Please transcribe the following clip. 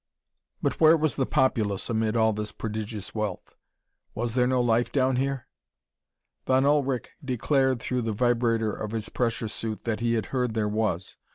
But where was the populace, amid all this prodigious wealth? Was there no life down here? Von Ullrich declared through the vibrator of his pressure suit that he had heard there was.